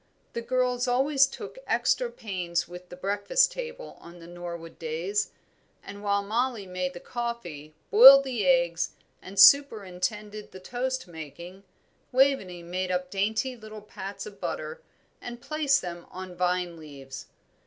The girls always took extra pains with the breakfast table on the Norwood days, and while Mollie made the coffee, boiled the eggs, and superintended the toast making, Waveney made up dainty little pats of butter and placed them on vine leaves.